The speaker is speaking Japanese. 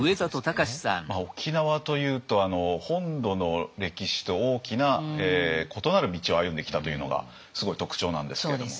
沖縄というと本土の歴史と大きな異なる道を歩んできたというのがすごい特徴なんですけれども。